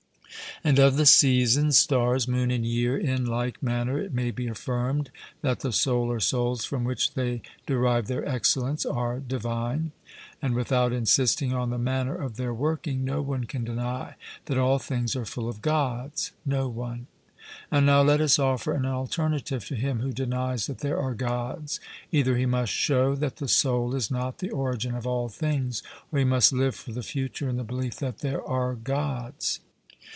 And of the seasons, stars, moon, and year, in like manner, it may be affirmed that the soul or souls from which they derive their excellence are divine; and without insisting on the manner of their working, no one can deny that all things are full of Gods. 'No one.' And now let us offer an alternative to him who denies that there are Gods. Either he must show that the soul is not the origin of all things, or he must live for the future in the belief that there are Gods.